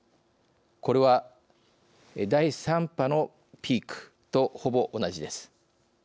これは、第３波のピークとほぼ同じです。